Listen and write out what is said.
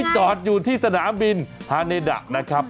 จอดอยู่ที่สนามบินฮาเนดะนะครับ